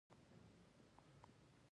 منډه له ناکامۍ سره مبارزه ده